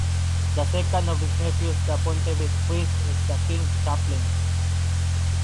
The second of his nephews the Pontevès priest, is the King’s Chaplain.